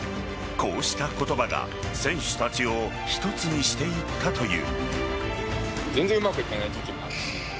こうした言葉が、選手たちを一つにしていったという。